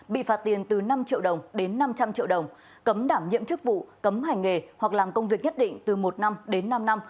bị phạt tiền từ năm triệu đồng đến năm trăm linh triệu đồng cấm đảm nhiệm chức vụ cấm hành nghề hoặc làm công việc nhất định từ một năm đến năm năm